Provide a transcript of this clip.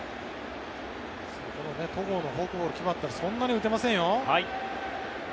戸郷のフォークボールが決まったらそんなに打てませんよ。